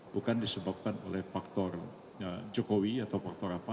bukan disebabkan oleh faktor jokowi atau faktor apa